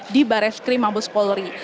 di bares krim mabes polri